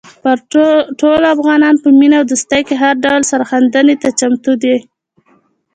ټول افغانان په مینه او دوستۍ کې هر ډول سرښندنې ته چمتو دي.